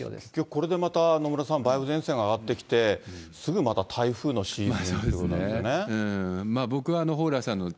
これでまた野村さん、梅雨前線が上がってきて、すぐまた台風のシーズンということになるんですね。